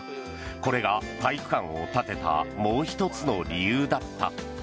これが、体育館を建てたもう１つの理由だった。